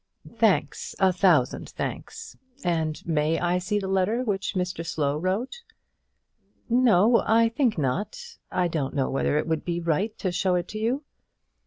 "Thanks; a thousand thanks! and may I see the letter which Mr Slow wrote?" "No, I think not. I don't know whether it would be right to show it to you."